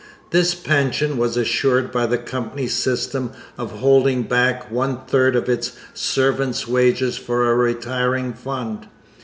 This pension was assured by the Company's system of holding back one third of its servants' wages for a retiring fund.